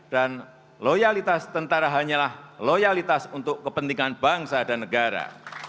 dan loyalitas tentara hanyalah loyalitas untuk kepentingan bangsa dan negara